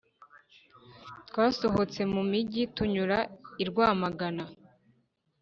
twasohotse mu mugi tunyura i rwamagana,